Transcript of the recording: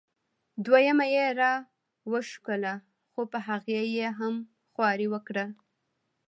دویمه یې را وښکله خو په هغې یې هم خواري وکړه.